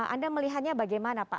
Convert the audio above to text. anda melihatnya bagaimana pak